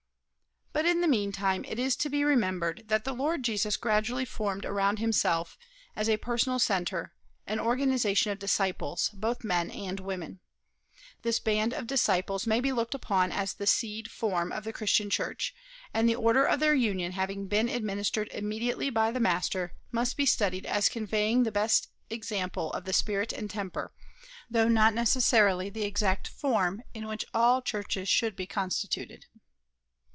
But in the mean time it is to be remembered that the Lord Jesus gradually formed around himself as a personal centre an organization of disciples, both men and women. This band of disciples may be looked upon as the seed form of the Christian Church, and the order of their union having been administered immediately by the Master must be studied as conveying the best example of the spirit and temper, though not necessarily the exact form, in which all churches should be constituted.